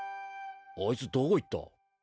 あいつどこ行った？